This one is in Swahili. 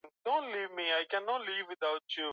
Jacob alianza kukosa nguvu za kuumiliki mwili wake